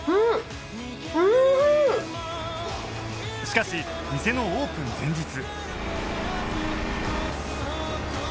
しかし店のオープン前日